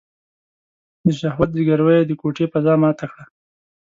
د شهوت ځګيروی يې د کوټې فضا ماته کړه.